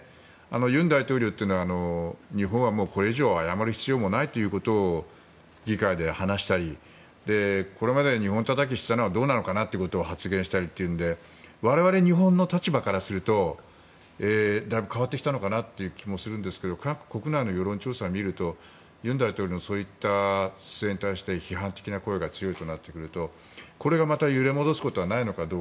尹大統領は日本はこれ以上謝る必要はないと議会で話したりこれまで日本たたきしてたのはどうなのかという発言してたりというので我々日本の立場からするとだいぶ変わってきたのかなという気もしますが韓国国内の世論調査を見ると尹大統領のそういった姿勢に対して批判的な声が強いとなってくるとこれがまた揺れ戻すことはないのか。